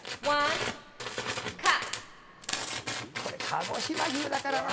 これ鹿児島牛だからな。